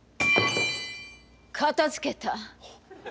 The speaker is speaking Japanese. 片づけた！